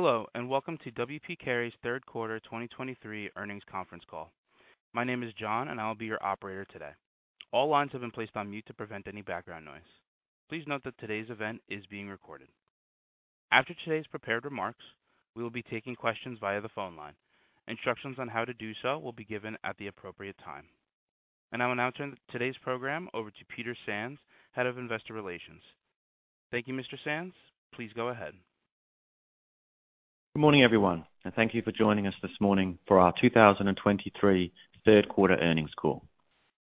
Hello, and welcome to W. P. Carey's Third Quarter 2023 Earnings Conference Call. My name is John, and I'll be your operator today. All lines have been placed on mute to prevent any background noise. Please note that today's event is being recorded. After today's prepared remarks, we will be taking questions via the phone line. Instructions on how to do so will be given at the appropriate time. I'll now turn today's program over to Peter Sands, Head of Investor Relations. Thank you, Mr. Sands. Please go ahead. Good morning, everyone, and thank you for joining us this morning for our 2023 third quarter earnings call.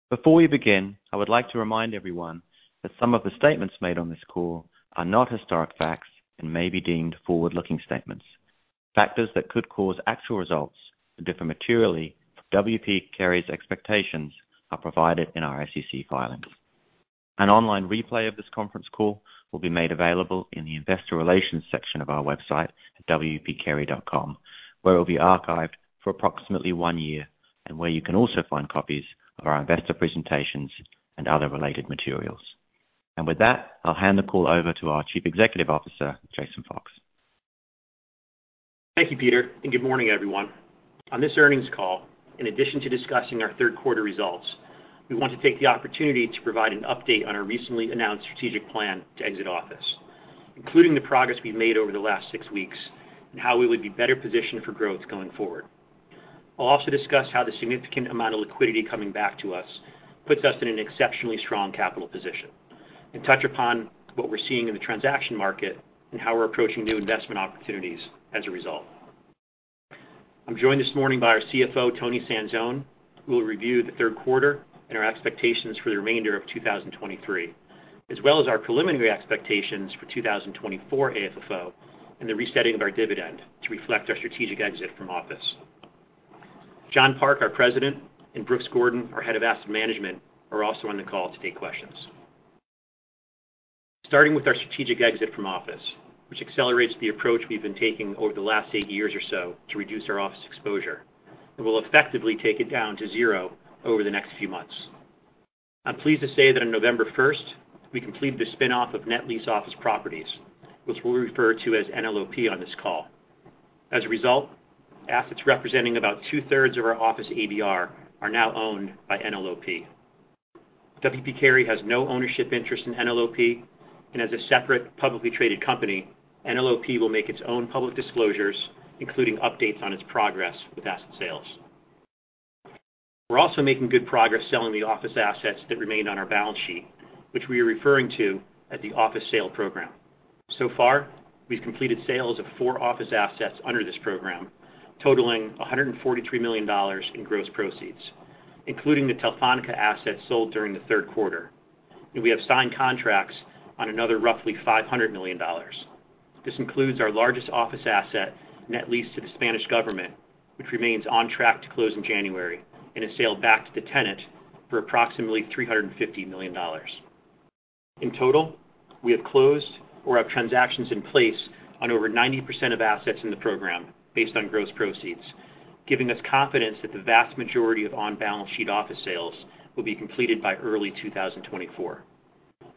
Before we begin, I would like to remind everyone that some of the statements made on this call are not historic facts and may be deemed forward-looking statements. Factors that could cause actual results to differ materially from W. P. Carey's expectations are provided in our SEC filings. An online replay of this conference call will be made available in the Investor Relations section of our website at wpcarey.com, where it will be archived for approximately one year, and where you can also find copies of our investor presentations and other related materials. With that, I'll hand the call over to our Chief Executive Officer, Jason Fox. Thank you, Peter, and good morning, everyone. On this earnings call, in addition to discussing our third quarter results, we want to take the opportunity to provide an update on our recently announced strategic plan to exit office, including the progress we've made over the last six weeks and how we would be better positioned for growth going forward. I'll also discuss how the significant amount of liquidity coming back to us puts us in an exceptionally strong capital position, and touch upon what we're seeing in the transaction market and how we're approaching new investment opportunities as a result. I'm joined this morning by our CFO, Toni Sanzone, who will review the third quarter and our expectations for the remainder of 2023, as well as our preliminary expectations for 2024 AFFO and the resetting of our dividend to reflect our strategic exit from office. John Park, our President, and Brooks Gordon, our Head of Asset Management, are also on the call to take questions. Starting with our strategic exit from office, which accelerates the approach we've been taking over the last eight years or so to reduce our office exposure, and will effectively take it down to zero over the next few months. I'm pleased to say that on November first, we completed the spin-off of Net Lease Office Properties, which we'll refer to as NLOP on this call. As a result, assets representing about two-thirds of our office ABR are now owned by NLOP. W. P. Carey has no ownership interest in NLOP, and as a separate, publicly traded company, NLOP will make its own public disclosures, including updates on its progress with asset sales. We're also making good progress selling the office assets that remained on our balance sheet, which we are referring to as the office sale program. So far, we've completed sales of four office assets under this program, totaling $143 million in gross proceeds, including the Telefónica asset sold during the third quarter. And we have signed contracts on another roughly $500 million. This includes our largest office asset, net leased to the Spanish government, which remains on track to close in January, in a sale back to the tenant for approximately $350 million. In total, we have closed or have transactions in place on over 90% of assets in the program based on gross proceeds, giving us confidence that the vast majority of on-balance sheet office sales will be completed by early 2024.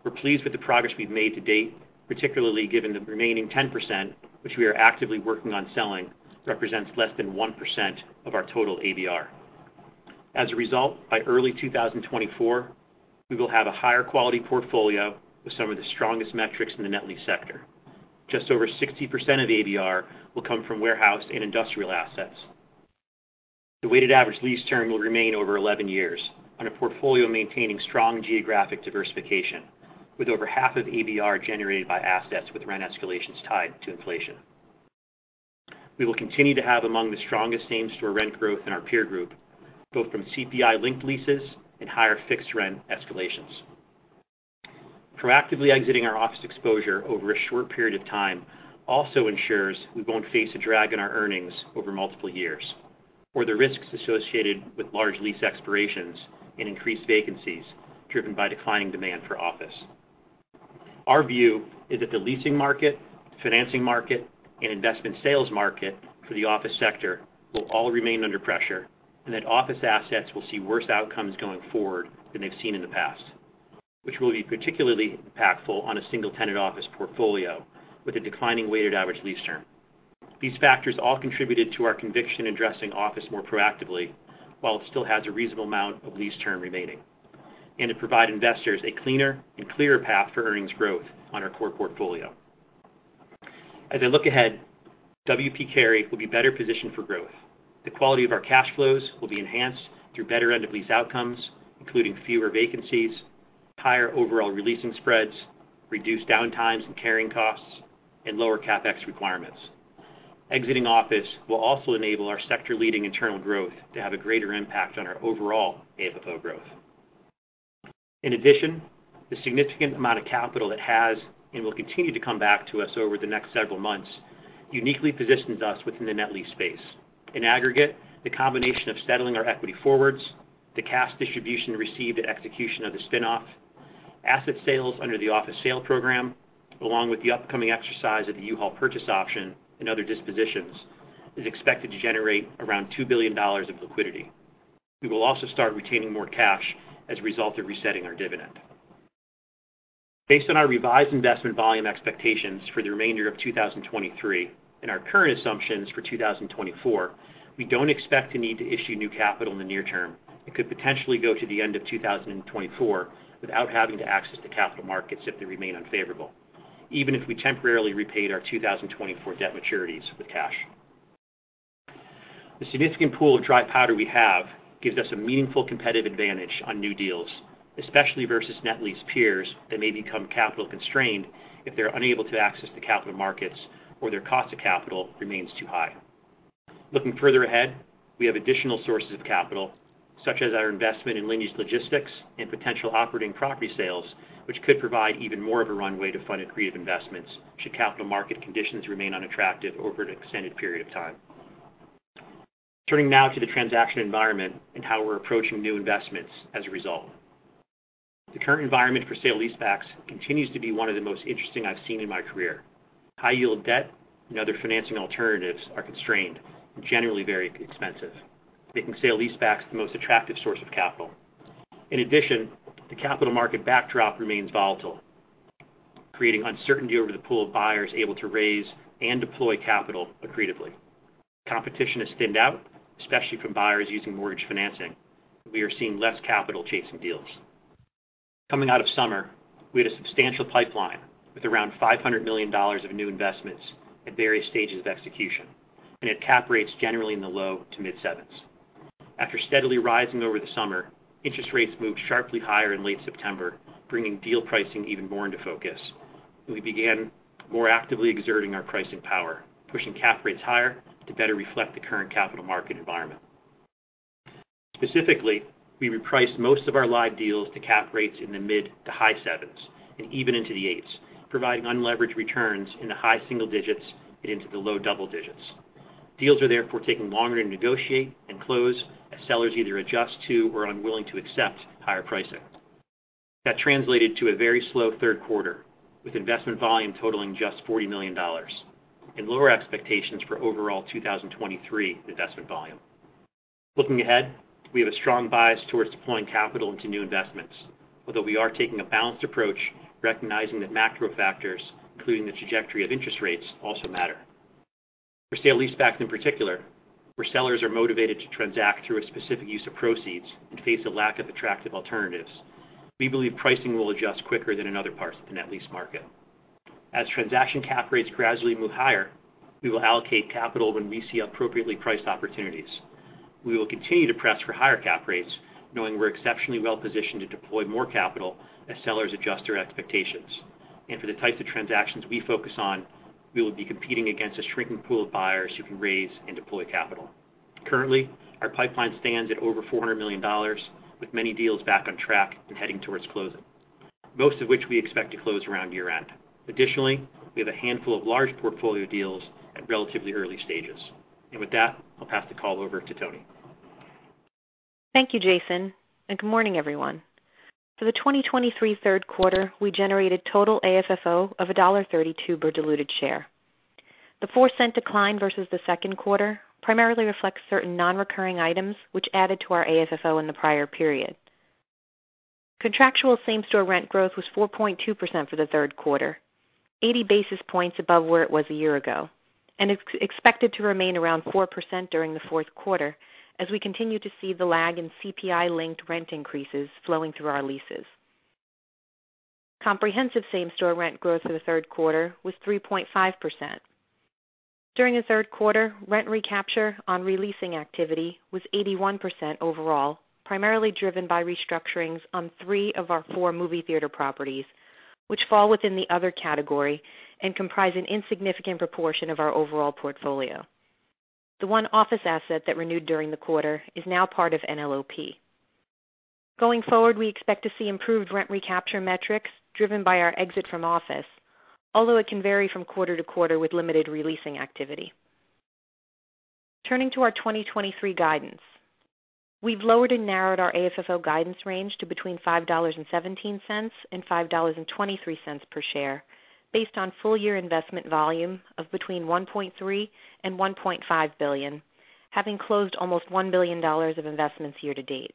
We're pleased with the progress we've made to date, particularly given the remaining 10%, which we are actively working on selling, represents less than 1% of our total ABR. As a result, by early 2024, we will have a higher quality portfolio with some of the strongest metrics in the net lease sector. Just over 60% of the ABR will come from warehouse and industrial assets. The weighted average lease term will remain over 11 years on a portfolio maintaining strong geographic diversification, with over half of ABR generated by assets with rent escalations tied to inflation. We will continue to have among the strongest same-store rent growth in our peer group, both from CPI-linked leases and higher fixed rent escalations. Proactively exiting our office exposure over a short period of time also ensures we won't face a drag in our earnings over multiple years, or the risks associated with large lease expirations and increased vacancies driven by declining demand for office. Our view is that the leasing market, financing market, and investment sales market for the office sector will all remain under pressure, and that office assets will see worse outcomes going forward than they've seen in the past, which will be particularly impactful on a single-tenant office portfolio with a declining weighted average lease term. These factors all contributed to our conviction in addressing office more proactively, while it still has a reasonable amount of lease term remaining, and to provide investors a cleaner and clearer path for earnings growth on our core portfolio. As I look ahead, W. P. Carey will be better positioned for growth. The quality of our cash flows will be enhanced through better end-of-lease outcomes, including fewer vacancies, higher overall leasing spreads, reduced downtimes and carrying costs, and lower CapEx requirements. Exiting office will also enable our sector-leading internal growth to have a greater impact on our overall AFFO growth. In addition, the significant amount of capital that has and will continue to come back to us over the next several months uniquely positions us within the net lease space. In aggregate, the combination of settling our equity forwards, the cash distribution received at execution of the spin-off, asset sales under the office sale program, along with the upcoming exercise of the U-Haul purchase option and other dispositions, is expected to generate around $2 billion of liquidity. We will also start retaining more cash as a result of resetting our dividend. Based on our revised investment volume expectations for the remainder of 2023 and our current assumptions for 2024, we don't expect to need to issue new capital in the near term. It could potentially go to the end of 2024 without having to access the capital markets if they remain unfavorable, even if we temporarily repaid our 2024 debt maturities with cash. The significant pool of dry powder we have gives us a meaningful competitive advantage on new deals, especially versus net lease peers that may become capital constrained if they're unable to access the capital markets or their cost of capital remains too high. Looking further ahead, we have additional sources of capital, such as our investment in Lineage Logistics and potential operating property sales, which could provide even more of a runway to fund accretive investments should capital market conditions remain unattractive over an extended period of time. Turning now to the transaction environment and how we're approaching new investments as a result. The current environment for sale-leasebacks continues to be one of the most interesting I've seen in my career. High-yield debt and other financing alternatives are constrained and generally very expensive, making sale-leasebacks the most attractive source of capital. In addition, the capital market backdrop remains volatile, creating uncertainty over the pool of buyers able to raise and deploy capital accretively. Competition has thinned out, especially from buyers using mortgage financing. We are seeing less capital chasing deals. Coming out of summer, we had a substantial pipeline with around $500 million of new investments at various stages of execution and at cap rates generally in the low to mid sevens. After steadily rising over the summer, interest rates moved sharply higher in late September, bringing deal pricing even more into focus. We began more actively exerting our pricing power, pushing cap rates higher to better reflect the current capital market environment. Specifically, we repriced most of our live deals to cap rates in the mid to high sevens and even into the eights, providing unleveraged returns in the high single digits and into the low double digits. Deals are therefore taking longer to negotiate and close as sellers either adjust to or are unwilling to accept higher pricing. That translated to a very slow third quarter, with investment volume totaling just $40 million and lower expectations for overall 2023 investment volume. Looking ahead, we have a strong bias towards deploying capital into new investments, although we are taking a balanced approach, recognizing that macro factors, including the trajectory of interest rates, also matter. For sale-leasebacks in particular, where sellers are motivated to transact through a specific use of proceeds and face a lack of attractive alternatives, we believe pricing will adjust quicker than in other parts of the net lease market. As transaction cap rates gradually move higher, we will allocate capital when we see appropriately priced opportunities. We will continue to press for higher cap rates, knowing we're exceptionally well positioned to deploy more capital as sellers adjust their expectations. For the types of transactions we focus on, we will be competing against a shrinking pool of buyers who can raise and deploy capital. Currently, our pipeline stands at over $400 million, with many deals back on track and heading towards closing, most of which we expect to close around year-end. Additionally, we have a handful of large portfolio deals at relatively early stages. With that, I'll pass the call over to Toni. Thank you, Jason, and good morning, everyone. For the 2023 third quarter, we generated total AFFO of $1.32 per diluted share. The $0.04 decline versus the second quarter primarily reflects certain non-recurring items which added to our AFFO in the prior period. Contractual same-store rent growth was 4.2% for the third quarter, 80 basis points above where it was a year ago, and it's expected to remain around 4% during the fourth quarter as we continue to see the lag in CPI-linked rent increases flowing through our leases. Comprehensive same-store rent growth for the third quarter was 3.5%. During the third quarter, rent recapture on re-leasing activity was 81% overall, primarily driven by restructurings on three of our four movie theater properties, which fall within the other category and comprise an insignificant proportion of our overall portfolio. The one office asset that renewed during the quarter is now part of NLOP. Going forward, we expect to see improved rent recapture metrics driven by our exit from office, although it can vary from quarter to quarter with limited re-leasing activity. Turning to our 2023 guidance. We've lowered and narrowed our AFFO guidance range to between $5.17 and $5.23 per share, based on full year investment volume of between $1.3 billion and $1.5 billion, having closed almost $1 billion of investments year to date.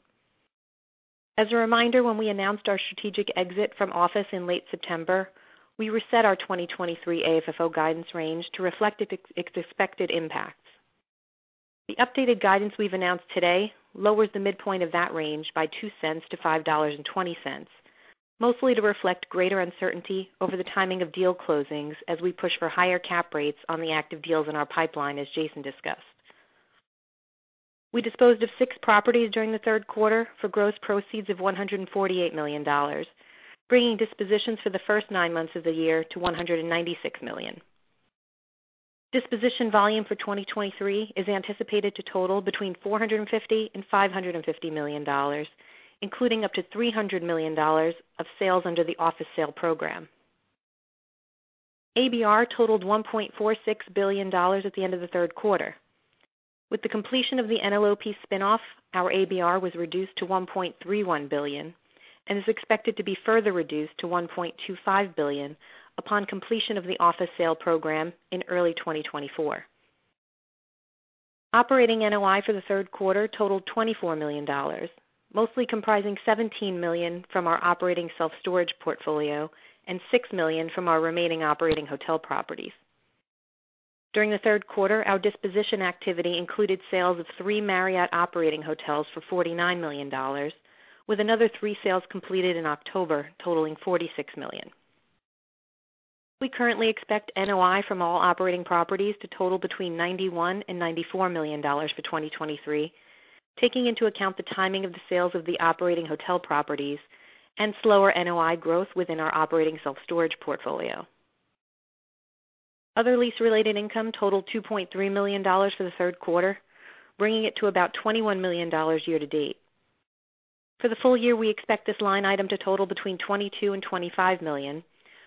As a reminder, when we announced our strategic exit from office in late September, we reset our 2023 AFFO guidance range to reflect its, its expected impacts. The updated guidance we've announced today lowers the midpoint of that range by two cents to $5.20, mostly to reflect greater uncertainty over the timing of deal closings as we push for higher cap rates on the active deals in our pipeline, as Jason discussed. We disposed of six properties during the third quarter for gross proceeds of $148 million, bringing dispositions for the first nine months of the year to $196 million. Disposition volume for 2023 is anticipated to total between $450 million and $550 million, including up to $300 million of sales under the office sale program. ABR totaled $1.46 billion at the end of the third quarter. With the completion of the NLOP spin-off, our ABR was reduced to $1.31 billion and is expected to be further reduced to $1.25 billion upon completion of the office sale program in early 2024. Operating NOI for the third quarter totaled $24 million, mostly comprising $17 million from our operating self-storage portfolio and $6 million from our remaining operating hotel properties. During the third quarter, our disposition activity included sales of three Marriott operating hotels for $49 million, with another three sales completed in October, totaling $46 million. We currently expect NOI from all operating properties to total between $91 million and $94 million for 2023, taking into account the timing of the sales of the operating hotel properties and slower NOI growth within our operating self-storage portfolio. Other lease-related income totaled $2.3 million for the third quarter, bringing it to about $21 million year to date. For the full year, we expect this line item to total between $22 million and $25 million,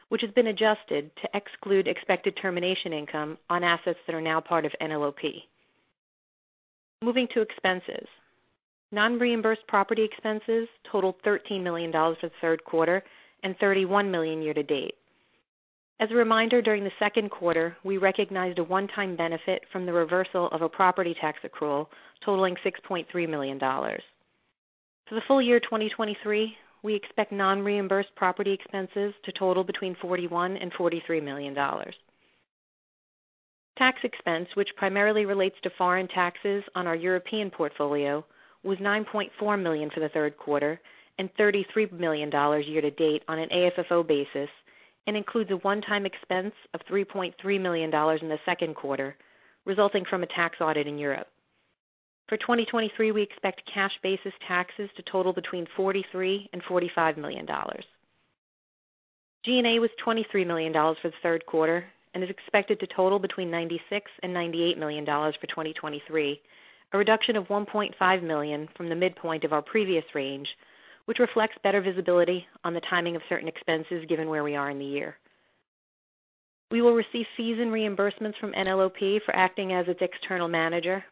which has been adjusted to exclude expected termination income on assets that are now part of NLOP. Moving to expenses. Non-reimbursed property expenses totaled $13 million for the third quarter and $31 million year to date. As a reminder, during the second quarter, we recognized a one-time benefit from the reversal of a property tax accrual totaling $6.3 million. For the full year 2023, we expect non-reimbursed property expenses to total between $41 million and $43 million. Tax expense, which primarily relates to foreign taxes on our European portfolio, was $9.4 million for the third quarter and $33 million year to date on an AFFO basis, and includes a one-time expense of $3.3 million in the second quarter, resulting from a tax audit in Europe. For 2023, we expect cash basis taxes to total between $43 million and $45 million. G&A was $23 million for the third quarter and is expected to total between $96 million and $98 million for 2023, a reduction of $1.5 million from the midpoint of our previous range, which reflects better visibility on the timing of certain expenses, given where we are in the year. We will receive fees and reimbursements from NLOP for acting as its external manager.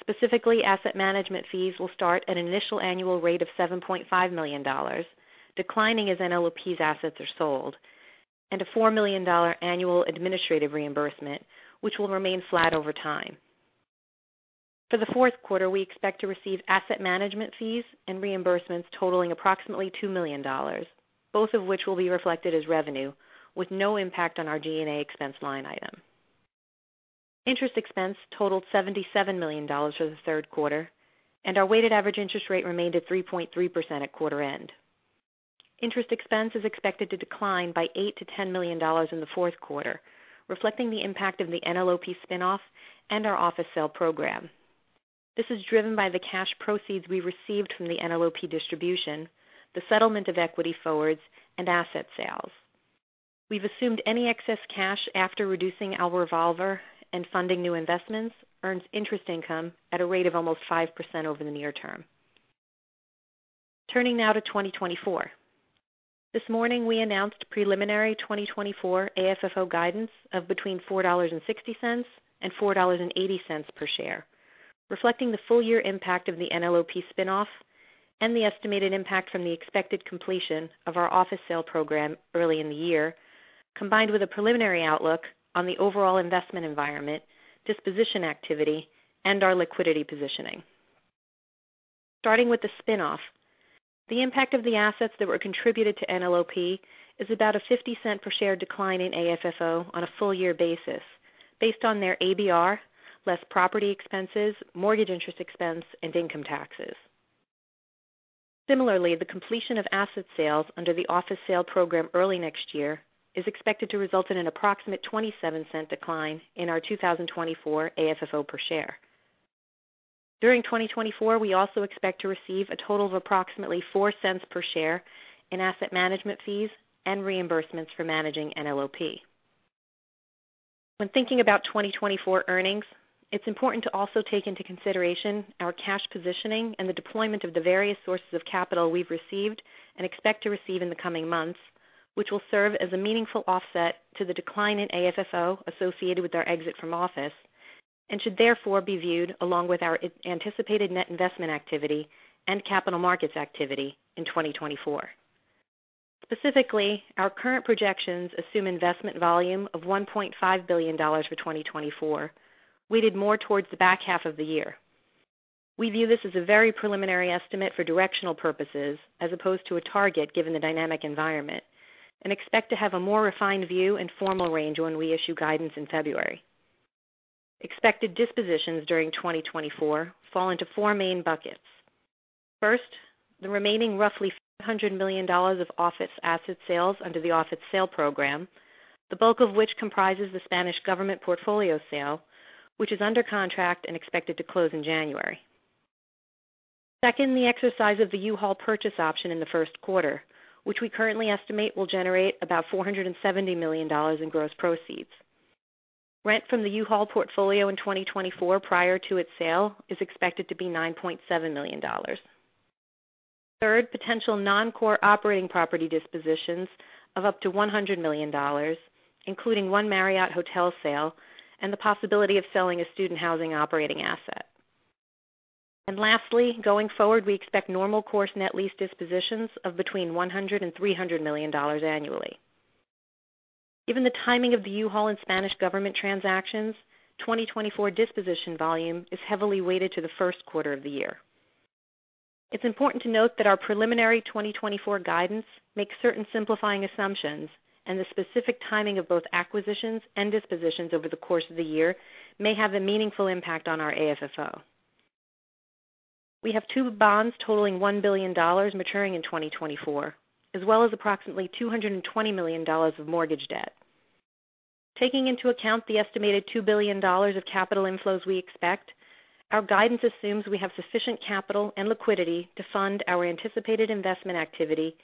Specifically, asset management fees will start at an initial annual rate of $7.5 million, declining as NLOP's assets are sold, and a $4 million annual administrative reimbursement, which will remain flat over time. For the fourth quarter, we expect to receive asset management fees and reimbursements totaling approximately $2 million, both of which will be reflected as revenue with no impact on our G&A expense line item. Interest expense totaled $77 million for the third quarter, and our weighted average interest rate remained at 3.3% at quarter end. Interest expense is expected to decline by $8 million-$10 million in the fourth quarter, reflecting the impact of the NLOP spin-off and our office sale program. This is driven by the cash proceeds we received from the NLOP distribution, the settlement of equity forwards and asset sales. We've assumed any excess cash after reducing our revolver and funding new investments earns interest income at a rate of almost 5% over the near term. Turning now to 2024. This morning, we announced preliminary 2024 AFFO guidance of between $4.60 and $4.80 per share, reflecting the full year impact of the NLOP spin-off and the estimated impact from the expected completion of our office sale program early in the year, combined with a preliminary outlook on the overall investment environment, disposition activity, and our liquidity positioning. Starting with the spin-off, the impact of the assets that were contributed to NLOP is about a $0.50 per share decline in AFFO on a full year basis, based on their ABR, less property expenses, mortgage interest expense, and income taxes. Similarly, the completion of asset sales under the office sale program early next year is expected to result in an approximate $0.27 decline in our 2024 AFFO per share. During 2024, we also expect to receive a total of approximately $0.04 per share in asset management fees and reimbursements for managing NLOP. When thinking about 2024 earnings, it's important to also take into consideration our cash positioning and the deployment of the various sources of capital we've received and expect to receive in the coming months, which will serve as a meaningful offset to the decline in AFFO associated with our exit from office and should therefore be viewed along with our anticipated net investment activity and capital markets activity in 2024. Specifically, our current projections assume investment volume of $1.5 billion for 2024, weighted more towards the back half of the year. We view this as a very preliminary estimate for directional purposes as opposed to a target, given the dynamic environment, and expect to have a more refined view and formal range when we issue guidance in February. Expected dispositions during 2024 fall into four main buckets. First, the remaining roughly $500 million of office asset sales under the office sale program, the bulk of which comprises the Spanish government portfolio sale, which is under contract and expected to close in January. Second, the exercise of the U-Haul purchase option in the first quarter, which we currently estimate will generate about $470 million in gross proceeds. Rent from the U-Haul portfolio in 2024, prior to its sale, is expected to be $9.7 million. Third, potential non-core operating property dispositions of up to $100 million, including one Marriott hotel sale and the possibility of selling a student housing operating asset. And lastly, going forward, we expect normal course net lease dispositions of between $100 million and $300 million annually.... Given the timing of the U-Haul and Spanish government transactions, 2024 disposition volume is heavily weighted to the first quarter of the year. It's important to note that our preliminary 2024 guidance makes certain simplifying assumptions, and the specific timing of both acquisitions and dispositions over the course of the year may have a meaningful impact on our AFFO. We have two bonds totaling $1 billion maturing in 2024, as well as approximately $220 million of mortgage debt. Taking into account the estimated $2 billion of capital inflows we expect, our guidance assumes we have sufficient capital and liquidity to fund our anticipated investment activity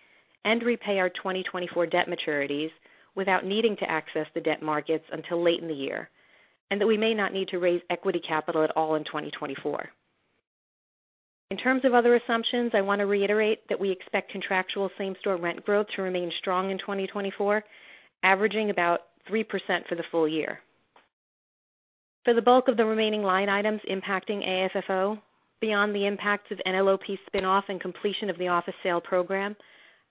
and repay our 2024 debt maturities without needing to access the debt markets until late in the year, and that we may not need to raise equity capital at all in 2024. In terms of other assumptions, I want to reiterate that we expect contractual same-store rent growth to remain strong in 2024, averaging about 3% for the full year. For the bulk of the remaining line items impacting AFFO, beyond the impact of NLOP spin-off and completion of the office sale program,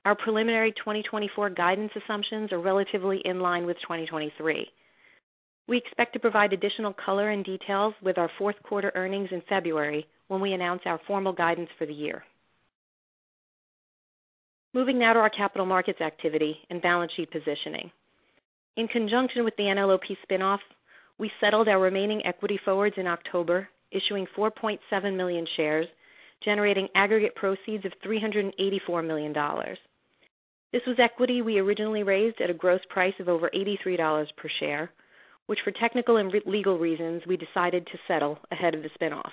our preliminary 2024 guidance assumptions are relatively in line with 2023. We expect to provide additional color and details with our fourth quarter earnings in February, when we announce our formal guidance for the year. Moving now to our capital markets activity and balance sheet positioning. In conjunction with the NLOP spin-off, we settled our remaining equity forwards in October, issuing 4.7 million shares, generating aggregate proceeds of $384 million. This was equity we originally raised at a gross price of over $83 per share, which for technical and legal reasons, we decided to settle ahead of the spin-off.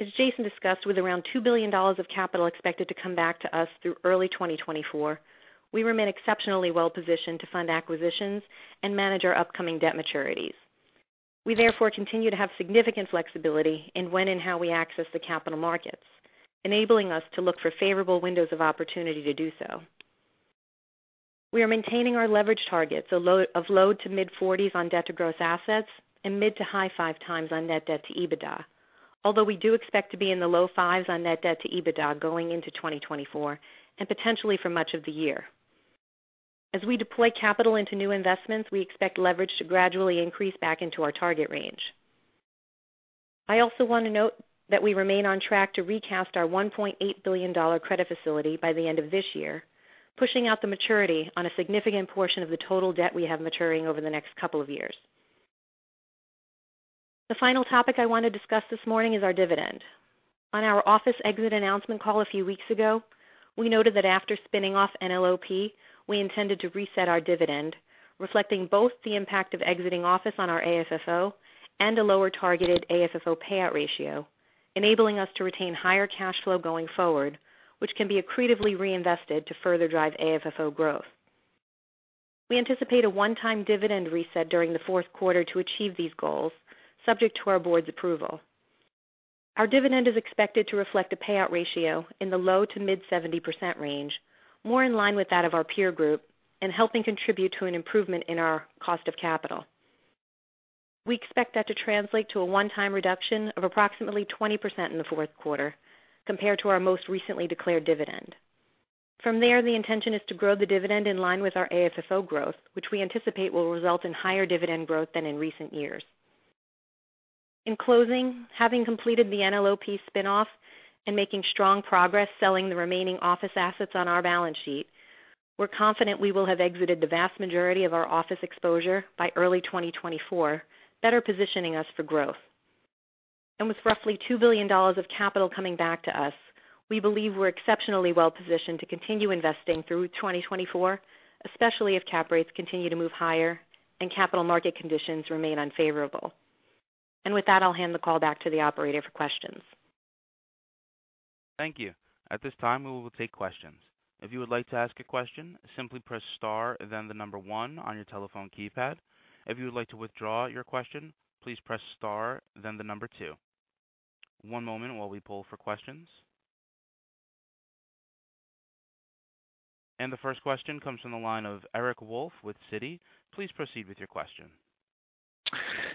As Jason discussed, with around $2 billion of capital expected to come back to us through early 2024, we remain exceptionally well positioned to fund acquisitions and manage our upcoming debt maturities. We therefore continue to have significant flexibility in when and how we access the capital markets, enabling us to look for favorable windows of opportunity to do so. We are maintaining our leverage targets of low to mid 40s on debt to gross assets and mid- to high-5x on net debt to EBITDA, although we do expect to be in the low-5s on net debt to EBITDA going into 2024 and potentially for much of the year. As we deploy capital into new investments, we expect leverage to gradually increase back into our target range. I also want to note that we remain on track to recast our $1.8 billion credit facility by the end of this year, pushing out the maturity on a significant portion of the total debt we have maturing over the next couple of years. The final topic I want to discuss this morning is our dividend. On our office exit announcement call a few weeks ago, we noted that after spinning off NLOP, we intended to reset our dividend, reflecting both the impact of exiting office on our AFFO and a lower targeted AFFO payout ratio, enabling us to retain higher cash flow going forward, which can be accretively reinvested to further drive AFFO growth. We anticipate a one-time dividend reset during the fourth quarter to achieve these goals, subject to our board's approval. Our dividend is expected to reflect a payout ratio in the low- to mid-70% range, more in line with that of our peer group and helping contribute to an improvement in our cost of capital. We expect that to translate to a one-time reduction of approximately 20% in the fourth quarter compared to our most recently declared dividend. From there, the intention is to grow the dividend in line with our AFFO growth, which we anticipate will result in higher dividend growth than in recent years. In closing, having completed the NLOP spin-off and making strong progress selling the remaining office assets on our balance sheet, we're confident we will have exited the vast majority of our office exposure by early 2024, better positioning us for growth. And with roughly $2 billion of capital coming back to us, we believe we're exceptionally well positioned to continue investing through 2024, especially if cap rates continue to move higher and capital market conditions remain unfavorable. And with that, I'll hand the call back to the operator for questions. Thank you. At this time, we will take questions. If you would like to ask a question, simply press star, then the number one on your telephone keypad. If you would like to withdraw your question, please press star, then the number two. One moment while we pull for questions. The first question comes from the line of Eric Wolfe with Citi. Please proceed with your question.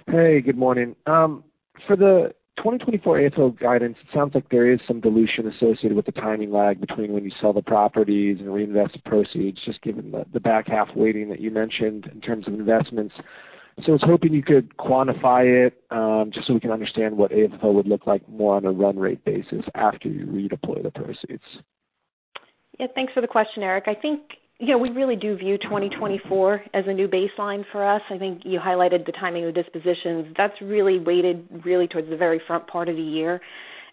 Hey, good morning. For the 2024 AFFO guidance, it sounds like there is some dilution associated with the timing lag between when you sell the properties and reinvest the proceeds, just given the back half weighting that you mentioned in terms of investments. So I was hoping you could quantify it, just so we can understand what AFFO would look like more on a run rate basis after you redeploy the proceeds? Yeah, thanks for the question, Eric. I think, you know, we really do view 2024 as a new baseline for us. I think you highlighted the timing of the dispositions. That's really weighted really towards the very front part of the year.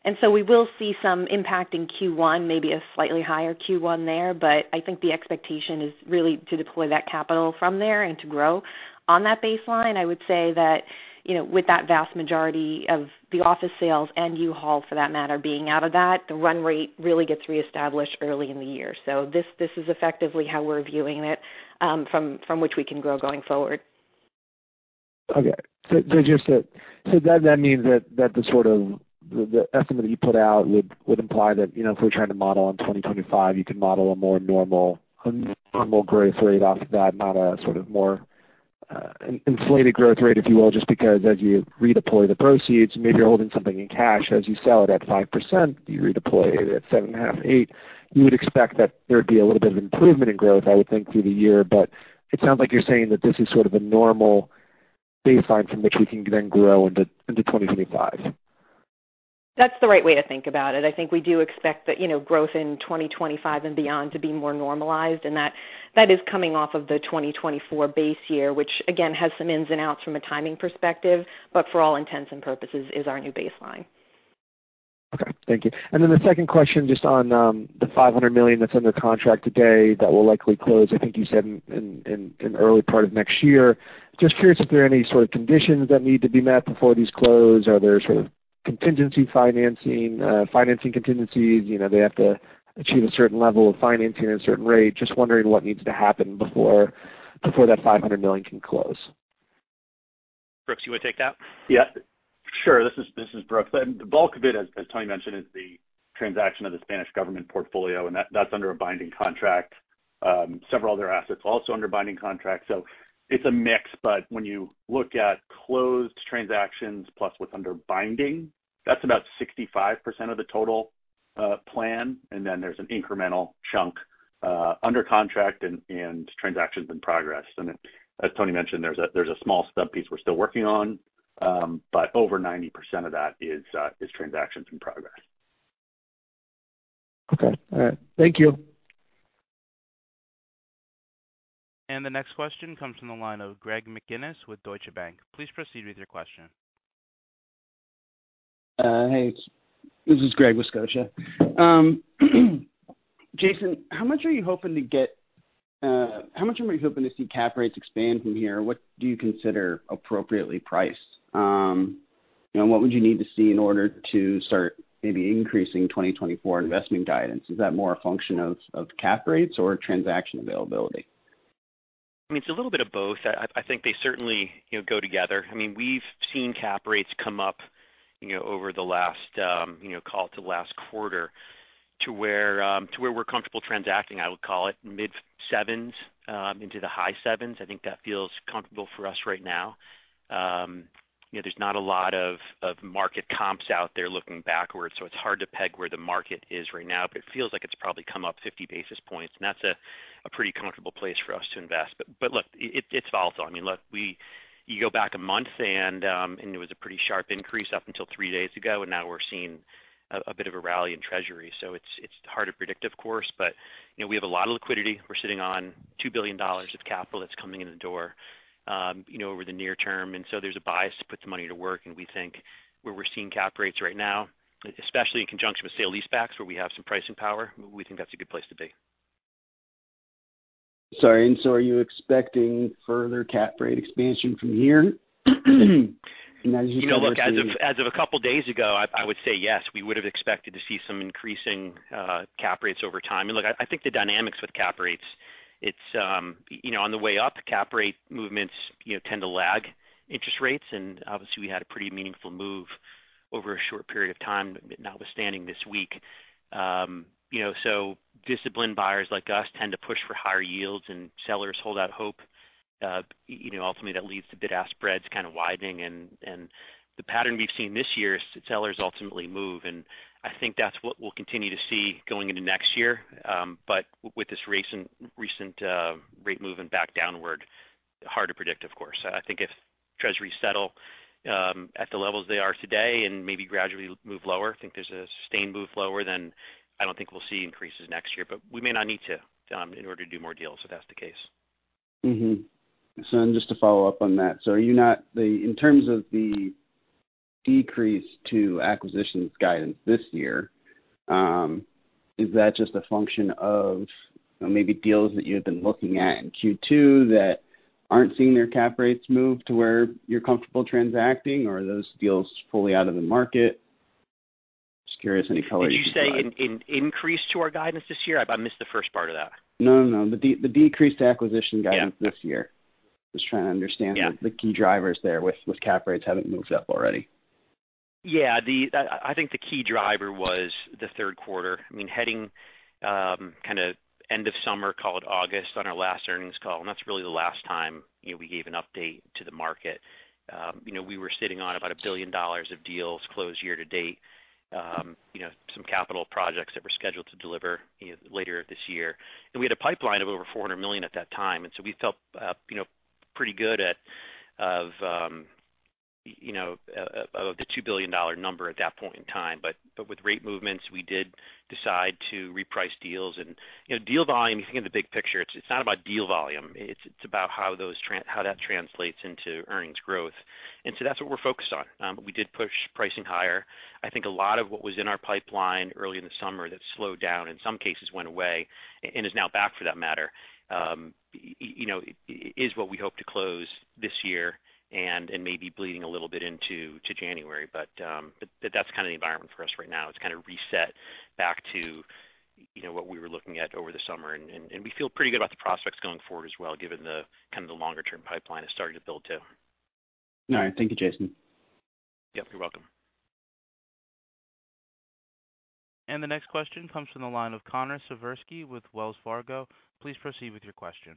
And so we will see some impact in Q1, maybe a slightly higher Q1 there, but I think the expectation is really to deploy that capital from there and to grow on that baseline. I would say that, you know, with that vast majority of the office sales and U-Haul for that matter, being out of that, the run rate really gets reestablished early in the year. So this is effectively how we're viewing it, from which we can grow going forward. Okay. So that means that the sort of the estimate that you put out would imply that, you know, if we're trying to model on 2025, you could model a more normal growth rate off of that, not a sort of more inflated growth rate, if you will, just because as you redeploy the proceeds, maybe you're holding something in cash. As you sell it at 5%, you redeploy it at 7.5-8%. You would expect that there'd be a little bit of improvement in growth, I would think, through the year. But it sounds like you're saying that this is sort of a normal baseline from which we can then grow into 2025. That's the right way to think about it. I think we do expect that, you know, growth in 2025 and beyond to be more normalized, and that, that is coming off of the 2024 base year, which again, has some ins and outs from a timing perspective, but for all intents and purposes, is our new baseline. Okay, thank you. And then the second question, just on the $500 million that's under contract today, that will likely close, I think you said in early part of next year. Just curious if there are any sort of conditions that need to be met before these close. Are there sort of contingency financing, financing contingencies? You know, they have to achieve a certain level of financing at a certain rate. Just wondering what needs to happen before that $500 million can close. Brooks, you want to take that? Yeah, sure. This is, this is Brooks. The bulk of it, as, as Toni mentioned, is the transaction of the Spanish government portfolio, and that- that's under a binding contract. Several other assets also under binding contract. So it's a mix, but when you look at closed transactions plus what's under binding, that's about 65% of the total, plan. And then there's an incremental chunk, under contract and, and transactions in progress. And as Toni mentioned, there's a, there's a small stub piece we're still working on, but over 90% of that is, is transactions in progress. Okay. All right. Thank you. The next question comes from the line of Greg McGinniss with Scotiabank. Please proceed with your question. Hey, this is Greg with Scotia. Jason, how much are you hoping to get, how much are you hoping to see cap rates expand from here? What do you consider appropriately priced? And what would you need to see in order to start maybe increasing 2024 investment guidance? Is that more a function of cap rates or transaction availability? I mean, it's a little bit of both. I think they certainly, you know, go together. I mean, we've seen cap rates come up, you know, over the last, you know, call it to last quarter, to where, to where we're comfortable transacting, I would call it mid-sevens, into the high sevens. I think that feels comfortable for us right now. You know, there's not a lot of market comps out there looking backwards, so it's hard to peg where the market is right now. But it feels like it's probably come up 50 basis points, and that's a pretty comfortable place for us to invest. But look, it's volatile. I mean, look, we—you go back a month and, and it was a pretty sharp increase up until three days ago, and now we're seeing a bit of a rally in Treasury. So it's hard to predict, of course, but, you know, we have a lot of liquidity. We're sitting on $2 billion of capital that's coming in the door, you know, over the near term. And so there's a bias to put the money to work. And we think where we're seeing cap rates right now, especially in conjunction with sale leasebacks, we think that's a good place to be. Sorry, and so are you expecting further cap rate expansion from here? And as you- You know, look, as of a couple of days ago, I would say yes, we would have expected to see some increasing cap rates over time. And look, I think the dynamics with cap rates, it's you know, on the way up, cap rate movements you know tend to lag interest rates. And obviously, we had a pretty meaningful move over a short period of time, notwithstanding this week. You know, so disciplined buyers like us tend to push for higher yields, and sellers hold out hope. You know, ultimately, that leads to bid-ask spreads kind of widening. And the pattern we've seen this year is that sellers ultimately move, and I think that's what we'll continue to see going into next year. But with this recent rate moving back downward, hard to predict, of course. I think if Treasuries settle at the levels they are today and maybe gradually move lower, I think there's a sustained move lower, then I don't think we'll see increases next year, but we may not need to in order to do more deals if that's the case. Mm-hmm. So then just to follow up on that: So in terms of the decrease to acquisitions guidance this year, is that just a function of maybe deals that you had been looking at in Q2 that aren't seeing their cap rates move to where you're comfortable transacting, or are those deals fully out of the market? Just curious, any color you can provide. Did you say an increase to our guidance this year? I missed the first part of that. No, no, no. The decreased acquisition guidance- Yeah. this year. Just trying to understand- Yeah The key drivers there with cap rates having moved up already. Yeah, I think the key driver was the third quarter. I mean, heading kind of end of summer, call it August, on our last earnings call, and that's really the last time, you know, we gave an update to the market. You know, we were sitting on about $1 billion of deals closed year to date, you know, some capital projects that were scheduled to deliver, you know, later this year. And we had a pipeline of over $400 million at that time, and so we felt, you know, pretty good at, of, you know, of the $2 billion number at that point in time. But with rate movements, we did decide to reprice deals. You know, deal volume, if you think of the big picture, it's not about deal volume, it's about how that translates into earnings growth. And so that's what we're focused on. But we did push pricing higher. I think a lot of what was in our pipeline early in the summer that slowed down, in some cases went away and is now back for that matter, you know, is what we hope to close this year and maybe bleeding a little bit into January. But that's kind of the environment for us right now. It's kind of reset back to, you know, what we were looking at over the summer, and we feel pretty good about the prospects going forward as well, given the longer-term pipeline is starting to build too. All right. Thank you, Jason. Yep, you're welcome. The next question comes from the line of Connor Siversky with Wells Fargo. Please proceed with your question.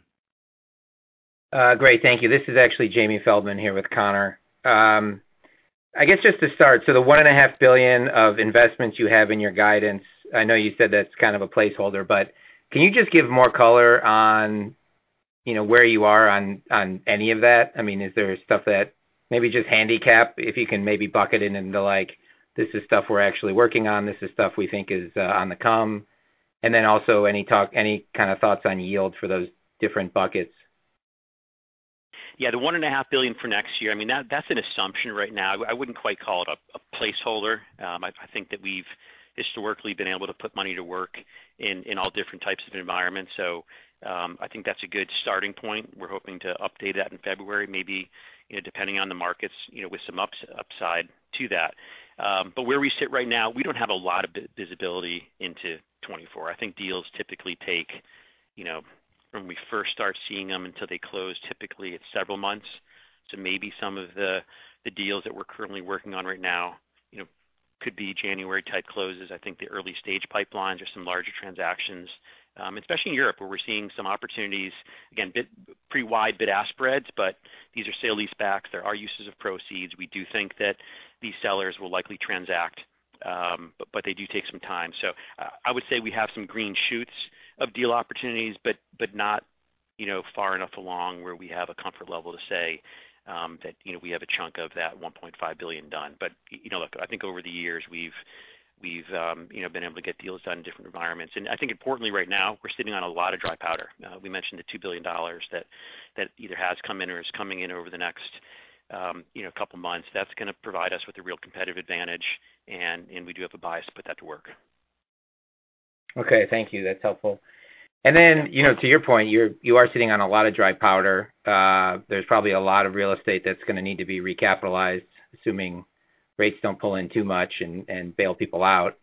Great, thank you. This is actually Jamie Feldman here with Connor. I guess just to start, so the $1.5 billion of investments you have in your guidance, I know you said that's kind of a placeholder, but can you just give more color on, you know, where you are on, on any of that? I mean, is there stuff that maybe just handicap, if you can maybe bucket it into, like, this is stuff we're actually working on, this is stuff we think is on the come. And then also any kind of thoughts on yields for those different buckets? Yeah, the $1.5 billion for next year, I mean, that, that's an assumption right now. I wouldn't quite call it a placeholder. I think that we've historically been able to put money to work in all different types of environments. So, I think that's a good starting point. We're hoping to update that in February, maybe, you know, depending on the markets, you know, with some upside to that. But where we sit right now, we don't have a lot of visibility into 2024. I think deals typically take, you know, from when we first start seeing them until they close, typically it's several months. So maybe some of the deals that we're currently working on right now, you know, could be January-type closes. I think the early stage pipelines are some larger transactions, especially in Europe, where we're seeing some opportunities. Again, pretty wide bid-ask spreads, but these are sale-leasebacks. There are uses of proceeds. We do think that these sellers will likely transact, but they do take some time. So I would say we have some green shoots of deal opportunities, but not, you know, far enough along where we have a comfort level to say that, you know, we have a chunk of that $1.5 billion done. But, you know, look, I think over the years, we've been able to get deals done in different environments. And I think importantly, right now, we're sitting on a lot of dry powder. We mentioned the $2 billion that either has come in or is coming in over the next, you know, couple of months. That's going to provide us with a real competitive advantage, and we do have a bias to put that to work. Okay, thank you. That's helpful. And then, you know, to your point, you are sitting on a lot of dry powder. There's probably a lot of real estate that's going to need to be recapitalized, assuming rates don't pull in too much and bail people out.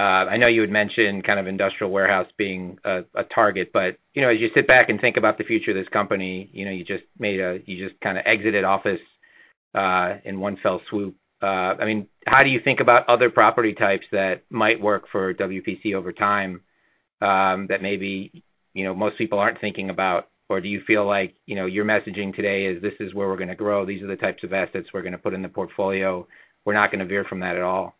I know you had mentioned kind of industrial warehouse being a target, but, you know, as you sit back and think about the future of this company, you know, you just kind of exited office in one fell swoop. I mean, how do you think about other property types that might work for WPC over time, that maybe, you know, most people aren't thinking about? Or do you feel like, you know, your messaging today is, this is where we're going to grow, these are the types of assets we're going to put in the portfolio? We're not going to veer from that at all.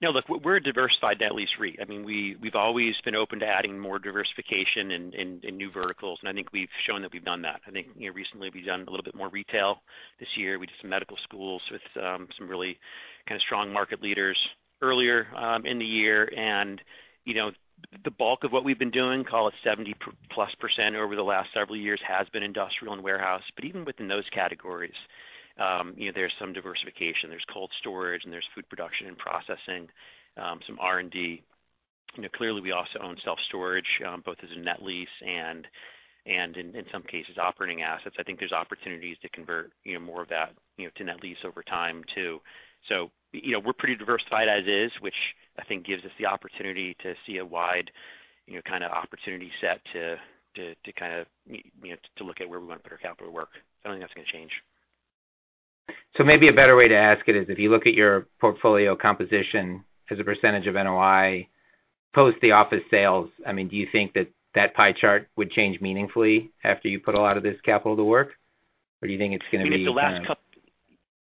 No, look, we're a diversified net lease REIT. I mean, we've always been open to adding more diversification and new verticals, and I think we've shown that we've done that. I think, you know, recently we've done a little bit more retail. This year, we did some medical schools with some really kind of strong market leaders earlier in the year. And, you know, the bulk of what we've been doing, call it 70%+ over the last several years, has been industrial and warehouse. But even within those categories, you know, there's some diversification. There's cold storage, and there's food production and processing, some R&D. You know, clearly, we also own self-storage, both as a net lease and in some cases, operating assets. I think there's opportunities to convert, you know, more of that, you know, to net lease over time, too. So, you know, we're pretty diversified as is, which I think gives us the opportunity to see a wide, you know, kind of opportunity set to kind of, you know, to look at where we want to put our capital to work. I don't think that's going to change. So maybe a better way to ask it is, if you look at your portfolio composition as a percentage of NOI post the office sales, I mean, do you think that that pie chart would change meaningfully after you put a lot of this capital to work? Or do you think it's going to be-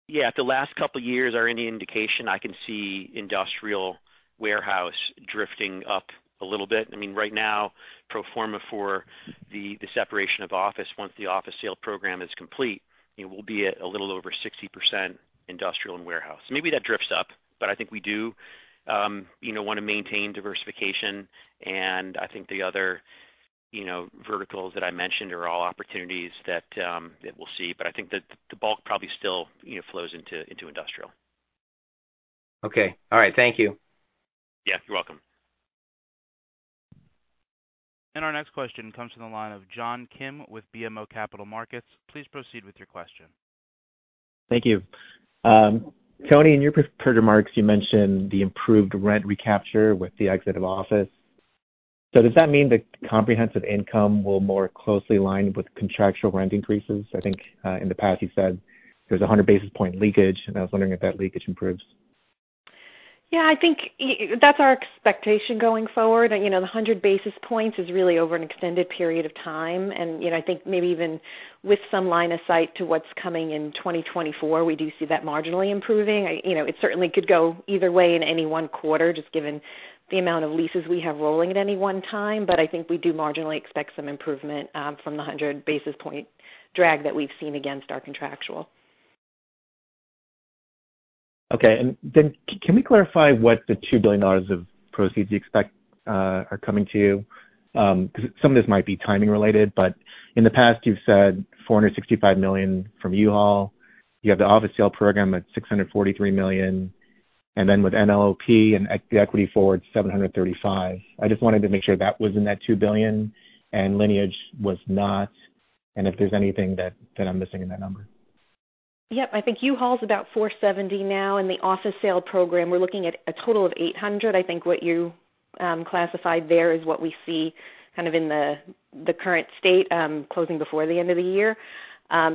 Yeah, if the last couple years are any indication, I can see industrial warehouse drifting up a little bit. I mean, right now, pro forma for the separation of office, once the office sale program is complete, it will be at a little over 60% industrial and warehouse. Maybe that drifts up, but I think we do, you know, want to maintain diversification. And I think the other, you know, verticals that I mentioned are all opportunities that we'll see. But I think that the bulk probably still, you know, flows into industrial. Okay. All right, thank you. Yeah, you're welcome. Our next question comes from the line of John Kim with BMO Capital Markets. Please proceed with your question. Thank you. Toni, in your prepared remarks, you mentioned the improved rent recapture with the exit of office. So does that mean the comprehensive income will more closely align with contractual rent increases? I think, in the past you said there's 100 basis point leakage, and I was wondering if that leakage improves. Yeah, I think that's our expectation going forward. You know, the 100 basis points is really over an extended period of time, and you know, I think maybe even with some line of sight to what's coming in 2024, we do see that marginally improving. I... You know, it certainly could go either way in any one quarter, just given the amount of leases we have rolling at any one time. But I think we do marginally expect some improvement from the 100 basis point drag that we've seen against our contractual. Okay, and then can we clarify what the $2 billion of proceeds you expect are coming to you? Because some of this might be timing related, but in the past, you've said $465 million from U-Haul. You have the office sale program at $643 million, and then with NLOP and the equity forward, $735 million. I just wanted to make sure that was in that $2 billion and Lineage was not, and if there's anything that I'm missing in that number. Yep. I think U-Haul is about $470 million now. In the office sale program, we're looking at a total of $800 million. I think what you classified there is what we see kind of in the current state closing before the end of the year.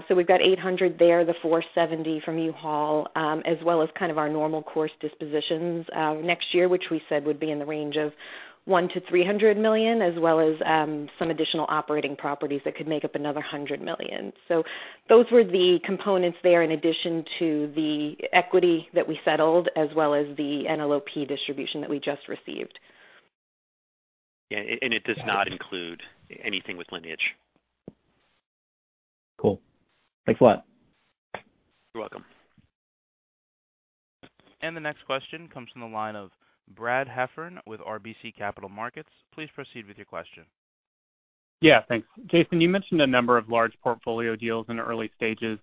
So we've got $800 million there, the $470 million from U-Haul, as well as kind of our normal course dispositions next year, which we said would be in the range of $100 million-$300 million, as well as some additional operating properties that could make up another $100 million. So those were the components there, in addition to the equity that we settled, as well as the NLOP distribution that we just received. Yeah, and it does not include anything with Lineage. Cool. Thanks a lot. You're welcome. The next question comes from the line of Brad Heffern with RBC Capital Markets. Please proceed with your question. Yeah, thanks. Jason, you mentioned a number of large portfolio deals in the early stages.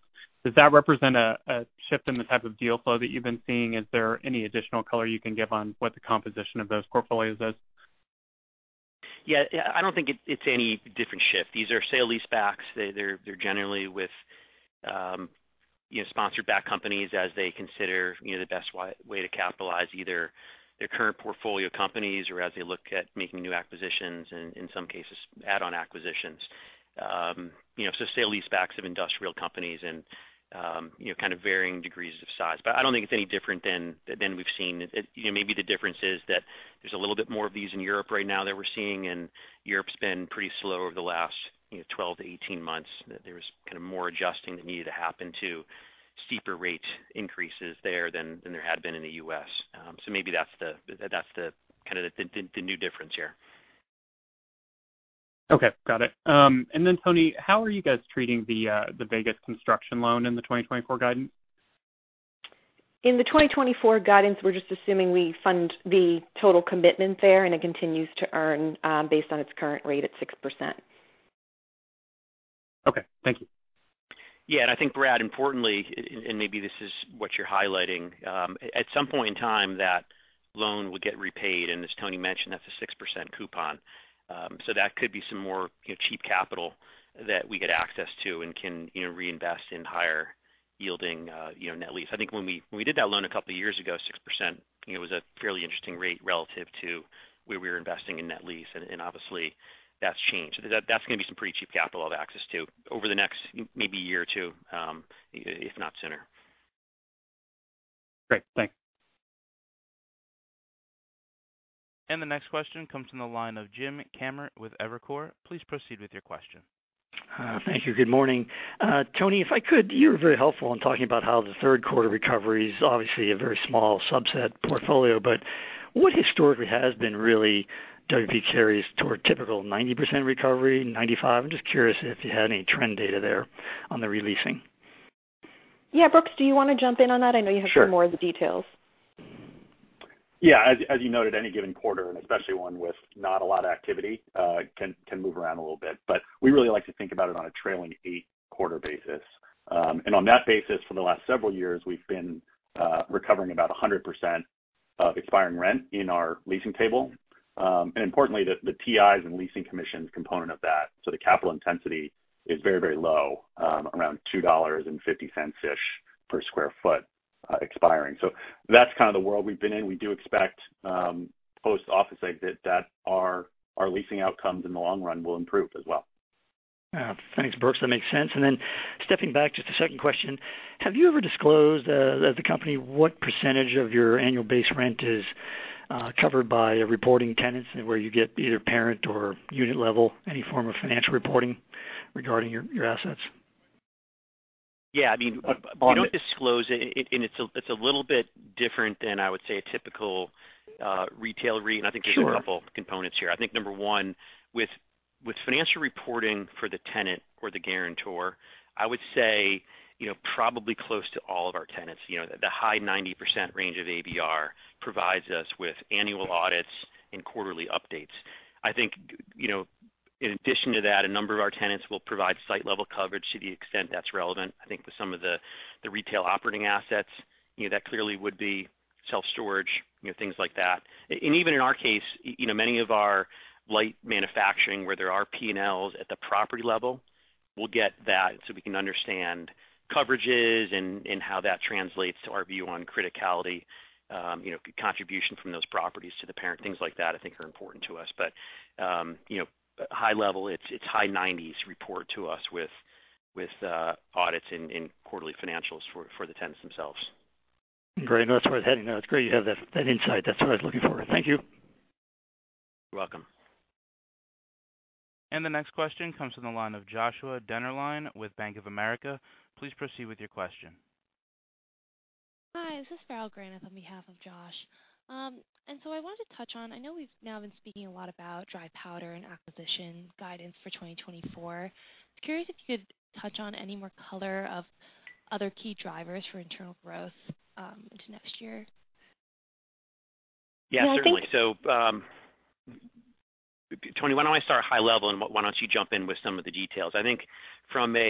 Does that represent a shift in the type of deal flow that you've been seeing? Is there any additional color you can give on what the composition of those portfolios is? Yeah. Yeah, I don't think it's any different shift. These are sale-leasebacks. They're generally with, you know, sponsored back companies as they consider, you know, the best way to capitalize either their current portfolio companies or as they look at making new acquisitions and in some cases, add-on acquisitions. You know, so sale-leasebacks of industrial companies and, you know, kind of varying degrees of size. But I don't think it's any different than than we've seen. It. You know, maybe the difference is that there's a little bit more of these in Europe right now that we're seeing, and Europe's been pretty slow over the last, you know, 12-18 months. There was kind of more adjusting that needed to happen to steeper rate increases there than than there had been in the U.S. So maybe that's the kind of new difference here. Okay, got it. And then, Toni, how are you guys treating the Vegas construction loan in the 2024 guidance? In the 2024 guidance, we're just assuming we fund the total commitment there, and it continues to earn, based on its current rate at 6%. Okay, thank you. Yeah, and I think, Brad, importantly, and maybe this is what you're highlighting, at some point in time, that loan will get repaid, and as Toni mentioned, that's a 6% coupon. So that could be some more, you know, cheap capital that we get access to and can, you know, reinvest in higher yielding, you know, net lease. I think when we, when we did that loan a couple of years ago, 6%, you know, was a fairly interesting rate relative to where we were investing in net lease, and and obviously, that's changed. That's gonna be some pretty cheap capital to have access to over the next maybe year or two, if not sooner. Great. Thanks. The next question comes from the line of Jim Kammert with Evercore. Please proceed with your question. Thank you. Good morning. Toni, if I could, you were very helpful in talking about how the third quarter recovery is obviously a very small subset portfolio, but what historically has been really W. P. Carey's toward typical 90% recovery, 95%? I'm just curious if you had any trend data there on the re-leasing. Yeah. Brooks, do you want to jump in on that? I know you have- Sure. more of the details. Yeah, as you noted, any given quarter, and especially one with not a lot of activity, can move around a little bit. But we really like to think about it on a trailing 8-quarter basis. And on that basis, for the last several years, we've been recovering about 100% of expiring rent in our leasing table. And importantly, the TIs and leasing commissions component of that, so the capital intensity is very, very low, around $2.50 ish per sq ft, expiring. So that's kind of the world we've been in. We do expect, post office exit that our leasing outcomes in the long run will improve as well. Thanks, Brooks. That makes sense. And then stepping back, just a second question: Have you ever disclosed, as a company, what percentage of your annual base rent is covered by reporting tenants, where you get either parent or unit level, any form of financial reporting regarding your, your assets? Yeah, I mean- On it. We don't disclose it, and it's a little bit different than, I would say, a typical retail REIT. Sure. I think there's a couple components here. I think number one, with financial reporting for the tenant or the guarantor, I would say, you know, probably close to all of our tenants, you know, the high 90% range of ABR provides us with annual audits and quarterly updates. I think, you know, in addition to that, a number of our tenants will provide site-level coverage to the extent that's relevant. I think with some of the retail operating assets, you know, that clearly would be self-storage, you know, things like that. And even in our case, you know, many of our light manufacturing, where there are P&Ls at the property level, we'll get that so we can understand coverages and how that translates to our view on criticality, you know, contribution from those properties to the parent. Things like that, I think, are important to us. But, you know, high level, it's high 90s reported to us with audits and quarterly financials for the tenants themselves. Great. No, that's worth having. No, it's great you have that, that insight. That's what I was looking for. Thank you. You're welcome. The next question comes from the line of Josh Dennerline with Bank of America. Please proceed with your question. Hi, this is Farrell Granath on behalf of Josh. And so I wanted to touch on, I know we've now been speaking a lot about dry powder and acquisition guidance for 2024. Curious if you could touch on any more color of other key drivers for internal growth, into next year? Yeah, certainly. I think- So, Toni, why don't I start high level, and why don't you jump in with some of the details? I think from a,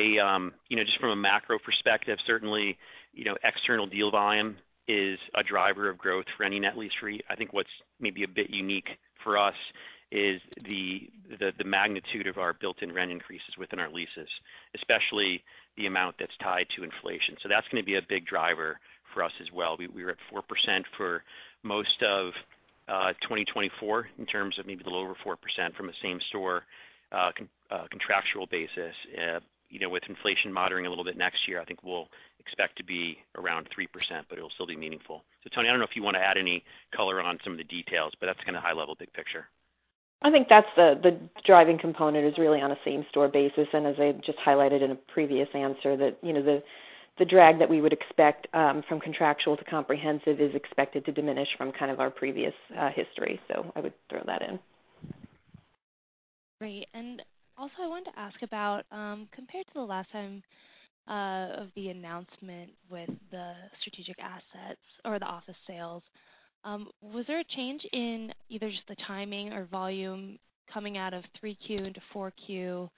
you know, just from a macro perspective, certainly, you know, external deal volume is a driver of growth for any net lease REIT. I think what's maybe a bit unique for us is the magnitude of our built-in rent increases within our leases, especially the amount that's tied to inflation. So that's going to be a big driver for us as well. We were at 4% for most of 2024 in terms of maybe the lower 4% from a same store contractual basis. You know, with inflation moderating a little bit next year, I think we'll expect to be around 3%, but it'll still be meaningful. Toni, I don't know if you want to add any color on some of the details, but that's kind of high level, big picture. I think that's the driving component is really on a same-store basis. And as I just highlighted in a previous answer, that, you know, the drag that we would expect from contractual to comprehensive is expected to diminish from kind of our previous history. So I would throw that in. Great. And also, I wanted to ask about, compared to the last time, of the announcement with the strategic assets or the office sales, was there a change in either just the timing or volume coming out of 3Q into 4Q?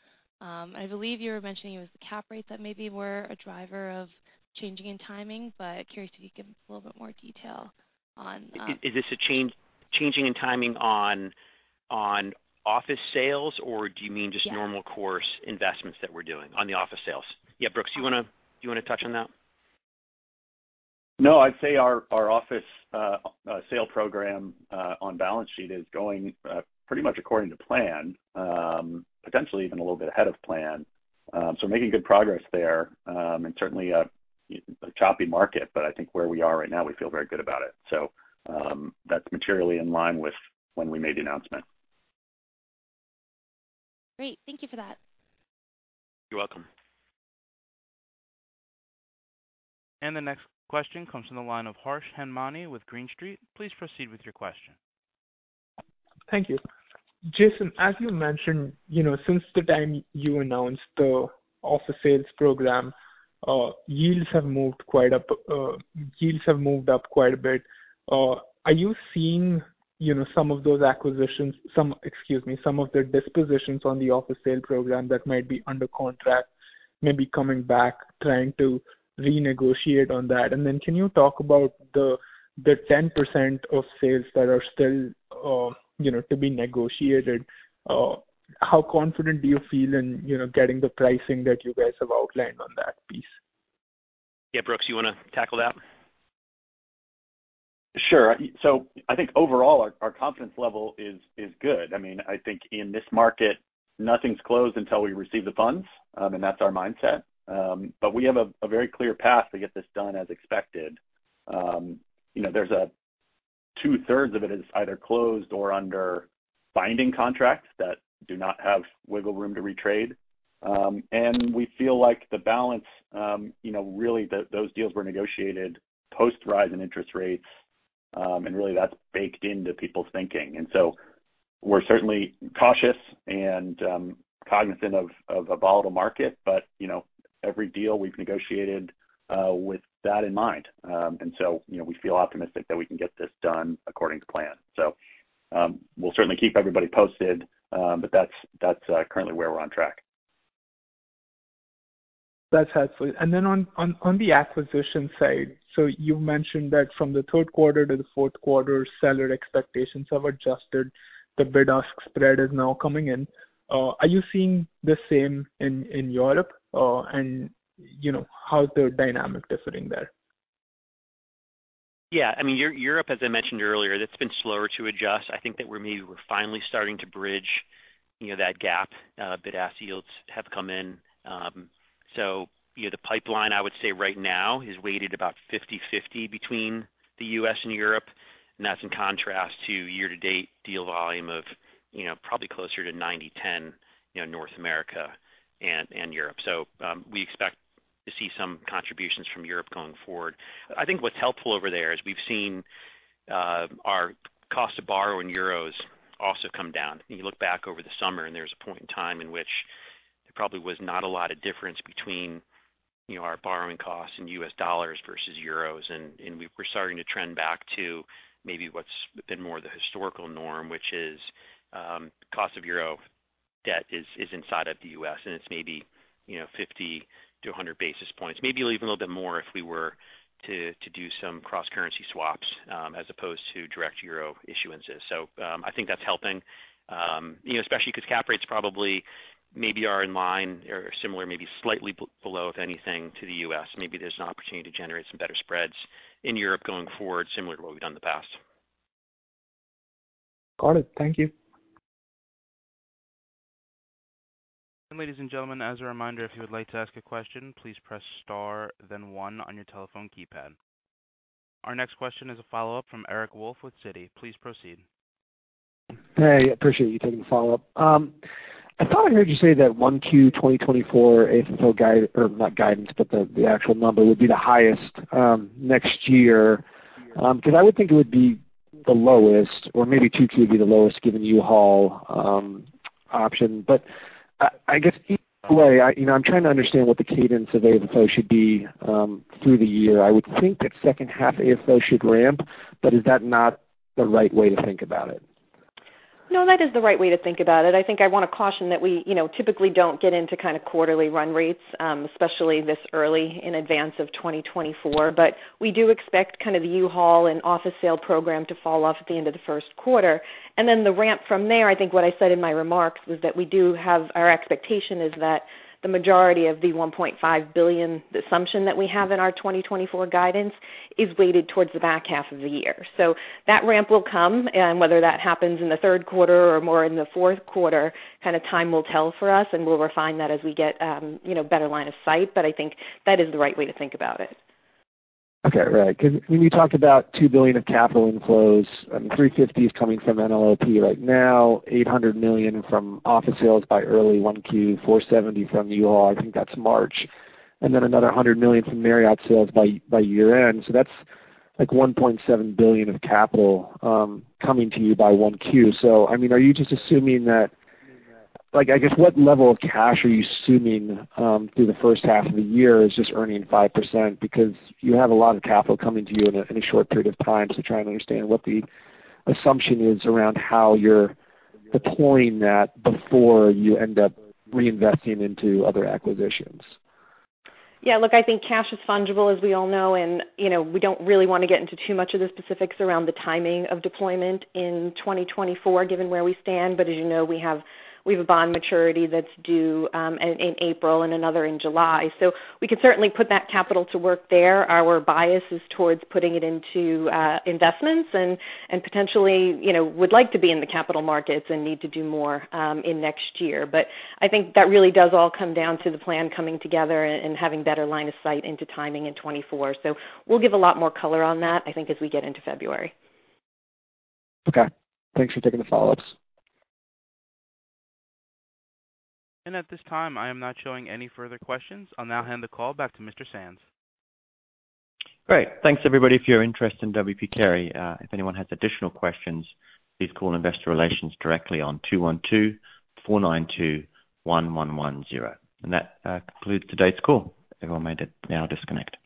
I believe you were mentioning it was the cap rates that maybe were a driver of changing in timing, but curious if you could give a little bit more detail on, Is this a changing in timing on office sales, or do you mean just- Yeah Normal course investments that we're doing on the office sales? Yeah. Brooks, do you want to- do you want to touch on that? No, I'd say our office sale program on balance sheet is going pretty much according to plan, potentially even a little bit ahead of plan. So we're making good progress there, and certainly a choppy market, but I think where we are right now, we feel very good about it. So, that's materially in line with when we made the announcement. Great, thank you for that. You're welcome. The next question comes from the line of Harsh Hemnani with Green Street. Please proceed with your question. Thank you. Jason, as you mentioned, you know, since the time you announced the office sales program, yields have moved up quite a bit. Are you seeing, you know, some of the dispositions on the office sale program that might be under contract, maybe coming back, trying to renegotiate on that? And then can you talk about the 10% of sales that are still, you know, to be negotiated? How confident do you feel in, you know, getting the pricing that you guys have outlined on that piece? Yeah. Brooks, you want to tackle that? Sure. So I think overall, our confidence level is good. I mean, I think in this market, nothing's closed until we receive the funds, and that's our mindset. But we have a very clear path to get this done as expected. You know, there's a two-thirds of it is either closed or under binding contracts that do not have wiggle room to retrade. And we feel like the balance, you know, really, those deals were negotiated post-rise in interest rates, and really, that's baked into people's thinking. And so we're certainly cautious and cognizant of a volatile market, but, you know, every deal we've negotiated with that in mind. And so, you know, we feel optimistic that we can get this done according to plan. So, we'll certainly keep everybody posted, but that's currently where we're on track. That's helpful. Then on the acquisition side, so you mentioned that from the third quarter to the fourth quarter, seller expectations have adjusted. The bid-ask spread is now coming in. Are you seeing the same in Europe? And you know, how's the dynamic differing there? Yeah, I mean, Europe, as I mentioned earlier, that's been slower to adjust. I think that we're maybe finally starting to bridge, you know, that gap. Bid-ask yields have come in, so, you know, the pipeline, I would say right now, is weighted about 50/50 between the U.S. and Europe, and that's in contrast to year-to-date deal volume of, you know, probably closer to 90/10, you know, North America and Europe. So, we expect to see some contributions from Europe going forward. I think what's helpful over there is we've seen our cost to borrow in euros also come down. You look back over the summer, and there's a point in time in which there probably was not a lot of difference between, you know, our borrowing costs in U.S. dollars versus euros, and we're starting to trend back to maybe what's been more the historical norm, which is, cost of euro debt is inside of the U.S., and it's maybe, you know, 50-100 basis points, maybe even a little bit more if we were to do some cross-currency swaps, as opposed to direct euro issuances. So, I think that's helping, you know, especially because cap rates probably, maybe are in line or similar, maybe slightly below, if anything, to the U.S. Maybe there's an opportunity to generate some better spreads in Europe going forward, similar to what we've done in the past. Got it. Thank you. Ladies and gentlemen, as a reminder, if you would like to ask a question, please press star, then one on your telephone keypad. Our next question is a follow-up from Eric Wolfe with Citi. Please proceed. Hey, appreciate you taking the follow-up. I thought I heard you say that 1Q 2024 AFFO guide, or not guidance, but the, the actual number would be the highest next year. Because I would think it would be the lowest or maybe 2Q be the lowest, given U-Haul option. But I guess, either way, you know, I'm trying to understand what the cadence of AFFO should be through the year. I would think that second half AFFO should ramp, but is that not the right way to think about it? ... No, that is the right way to think about it. I think I wanna caution that we, you know, typically don't get into kind of quarterly run rates, especially this early in advance of 2024. But we do expect kind of the U-Haul and office sale program to fall off at the end of the first quarter. And then the ramp from there, I think what I said in my remarks, was that we do have—our expectation is that the majority of the $1.5 billion assumption that we have in our 2024 guidance is weighted towards the back half of the year. So that ramp will come, and whether that happens in the third quarter or more in the fourth quarter, kind of time will tell for us, and we'll refine that as we get, you know, better line of sight. But I think that is the right way to think about it. Okay. Right, 'cause when you talked about $2 billion of capital inflows, and $350 million is coming from NLOP right now, $800 million from office sales by early 1Q, $470 million from U-Haul, I think that's March, and then another $100 million from Marriott sales by year end. So that's like $1.7 billion of capital coming to you by 1Q. So I mean, are you just assuming that, like, I guess, what level of cash are you assuming through the first half of the year is just earning 5%? Because you have a lot of capital coming to you in a short period of time. So trying to understand what the assumption is around how you're deploying that before you end up reinvesting into other acquisitions. Yeah, look, I think cash is fungible, as we all know, and, you know, we don't really wanna get into too much of the specifics around the timing of deployment in 2024, given where we stand. But as you know, we have a bond maturity that's due in April and another in July. So we could certainly put that capital to work there. Our bias is towards putting it into investments and potentially, you know, would like to be in the capital markets and need to do more in next year. But I think that really does all come down to the plan coming together and having better line of sight into timing in 2024. So we'll give a lot more color on that, I think, as we get into February. Okay. Thanks for taking the follow-ups. At this time, I am not showing any further questions. I'll now hand the call back to Mr. Sands. Great. Thanks, everybody, for your interest in W. P. Carey. If anyone has additional questions, please call investor relations directly on 212-492-1110. That concludes today's call. Everyone may now disconnect.